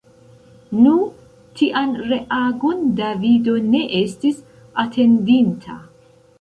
Nu, tian reagon Davido ne estis atendinta.